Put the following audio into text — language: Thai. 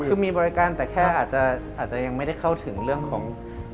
คือมีบริการแต่แค่อาจจะยังไม่ได้เข้าถึงเรื่องของ